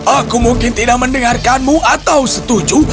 aku mungkin tidak mendengarkanmu atau setuju